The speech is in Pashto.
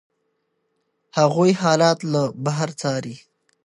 هغوی حالات له بهر څاري.